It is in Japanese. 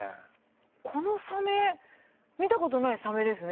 このサメ見たことないサメですね。